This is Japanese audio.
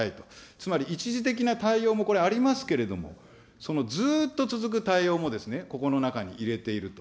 つまり一時的な対応も、これありますけれども、そのずーっと続く対応も、ここの中に入れていると。